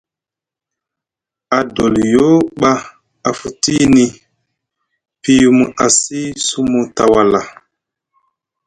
Adoliyo ɓa a futini piyumu asih sumu tawala.